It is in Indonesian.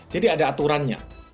jadi ada aturannya